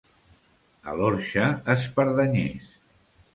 A l'Orxa, espardenyers.